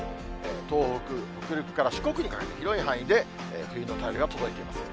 東北、北陸から四国にかけて、広い範囲で冬の便りが届いています。